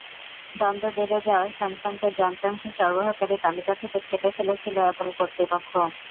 দ্বন্দ্ব বেড়ে যাওয়ার স্যামসাংকে যন্ত্রাংশ সরবরাহকারী তালিকা থেকে ছেঁটে ফেলেছিল অ্যাপল কর্তৃপক্ষ।